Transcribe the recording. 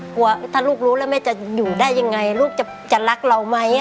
กลัวถ้าลูกรู้แล้วแม่จะอยู่ได้ยังไงลูกจะรักเราไหม